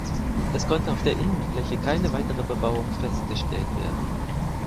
Es konnte auf der Innenfläche keine weitere Bebauung festgestellt werden.